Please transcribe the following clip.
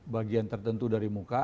bagian tertentu dari muka